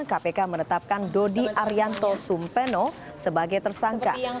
kpk menetapkan dodi arianto sumpeno sebagai tersangka